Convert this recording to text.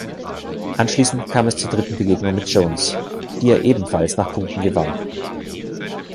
Anschließend kam es zur dritten Begegnung mit Jones, die er ebenfalls nach Punkten gewann.